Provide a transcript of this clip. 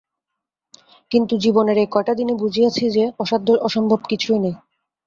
কিন্তু জীবনের এই কয়টা দিনে বুঝিয়াছি যে, অসাধ্য অসম্ভব কিছুই নাই।